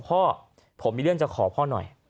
พ่อผมมีเรื่องจะขอพ่อหน่อย